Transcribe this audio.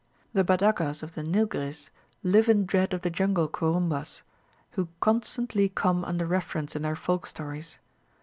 The Badagas of the Nilgiris live in dread of the jungle Kurumbas, who constantly come under reference in their folk stories.